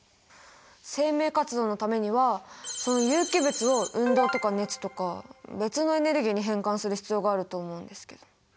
生命活動のためにはその有機物を運動とか熱とか別のエネルギーに変換する必要があると思うんですけど。